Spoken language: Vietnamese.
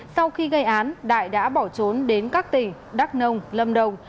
sau khi gây án đại đã bỏ trốn đến các tỉnh đắk nông lâm đồng